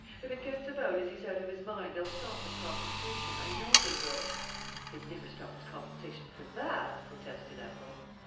If it gets about as he's out of his mind, they'll stop his compensation, I know they will." "They'd never stop his compensation for that," protested Ethel.